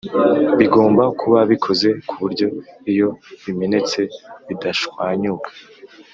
bigomba kuba bikoze ku buryo iyo bimenetse bidashwanyuka